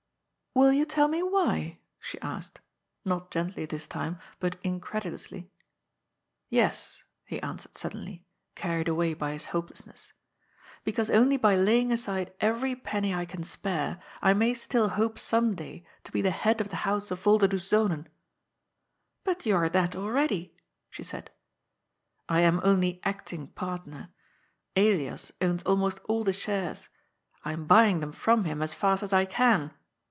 ^ "Will you tell me why?" she asked — not gently this time, but incredalously. " Yes," he answer^ suddenly, carried away by his hope lessness, " because only by laying aside every penny I can spare, I may still hope some day to be the head of the house of Volderdoes Zonen." " But you are that already," she said. " I am only acting partner. Elias owns almost all the shares. I am buying them from him as fast as I can.